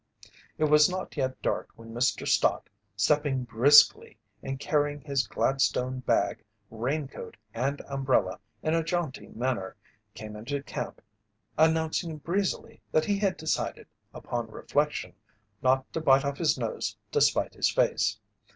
It was not yet dark when Mr. Stott, stepping briskly and carrying his Gladstone bag, raincoat, and umbrella in a jaunty manner, came into camp announcing breezily that he had decided, upon reflection, not to "bite off his nose to spite his face."